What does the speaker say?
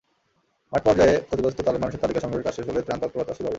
মাঠপর্যায়ে ক্ষতিগ্রস্ত মানুষের তালিকা সংগ্রহের কাজ শেষ হলেই ত্রাণ তৎপরতা শুরু হবে।